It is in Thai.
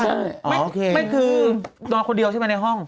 มันคือนอนคนเดียวใช่มะในห้อง